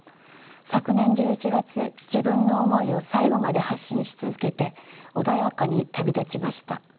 昨年１１月自分の思いを最後まで発信し続けて穏やかに旅立ちました。